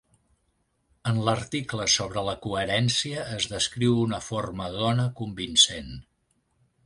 En l'article sobre la coherència es descriu una forma d'ona convincent.